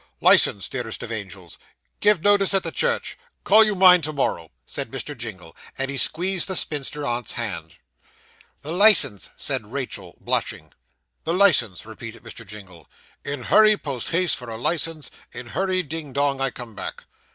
'Licence, dearest of angels give notice at the church call you mine, to morrow' said Mr. Jingle, and he squeezed the spinster aunt's hand. 'The licence!' said Rachael, blushing. 'The licence,' repeated Mr. Jingle 'In hurry, post haste for a licence, In hurry, ding dong I come back.